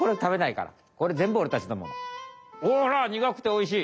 ほらにがくておいしい！